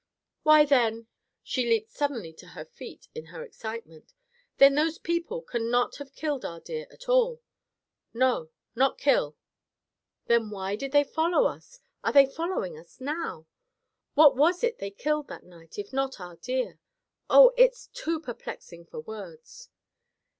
"Why, then—" she leaped suddenly to her feet in her excitement, "then those people can not have killed our deer at all!" "No. Not kill." "Then why did they follow us? Are they following us now? What was it they killed that night, if not our deer? Oh! it's too perplexing for words."